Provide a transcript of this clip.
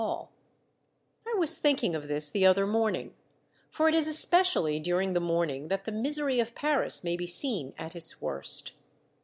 2o8 Monday Tales, I was thinking of this the other morning, for it is especially during the morning that the misery of Paris may be seen at its worst.